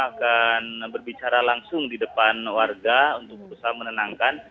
akan berbicara langsung di depan warga untuk berusaha menenangkan